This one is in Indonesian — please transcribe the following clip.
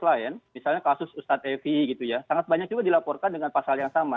selain misalnya kasus ustadz evi gitu ya sangat banyak juga dilaporkan dengan pasal yang sama